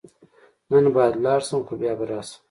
نن باید ولاړ شم، خو بیا به راشم.